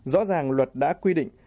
rõ ràng luật đã quy định